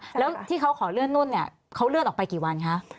แล้วที่เขาขอเลื่อนนุ่นเนี่ยเขาเลื่อนออกไปกี่วันคะ